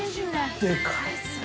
でかいっすね。